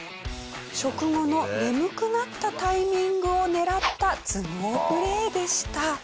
食後の眠くなったタイミングを狙った頭脳プレーでした。